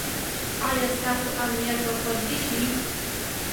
ایا ستاسو امنیت به خوندي شي؟